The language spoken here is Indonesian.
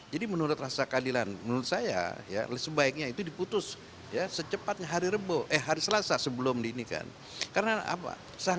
jadi menurut rasa keadilan menurut saya sebaiknya itu diputus secepatnya hari selasa sebelum diinginkan